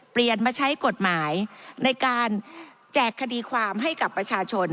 เปลี่ยนมาใช้กฎหมายในการแจกคดีความให้กับประชาชน